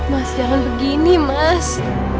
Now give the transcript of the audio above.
mas jangan begini mas